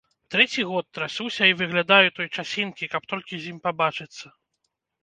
Трэці год трасуся і выглядаю той часінкі, каб толькі з ім пабачыцца.